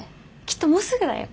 きっともうすぐだよ。